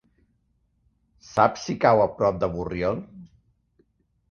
Saps si cau a prop de Borriol?